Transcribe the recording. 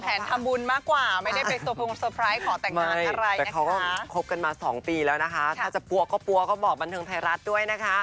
คงไม่มีอะไรปรุปปรับแน่ค่ะก็วางแผนค่ะ